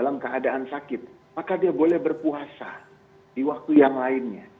maka dia boleh berpuasa di waktu yang lainnya